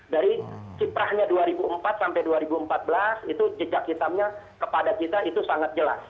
dari kiprahnya dua ribu empat sampai dua ribu empat belas itu jejak hitamnya kepada kita itu sangat jelas